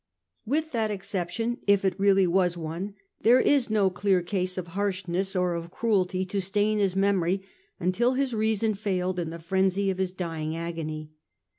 With that exception, if it really was one, there is no clear case of harshness or of cruelty to stain his memory until his reason failed in the frenzy of his dying agony.